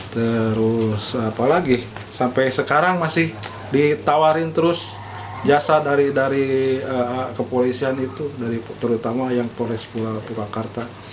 terus apalagi sampai sekarang masih ditawarin terus jasa dari kepolisian itu terutama yang polres pulau purwakarta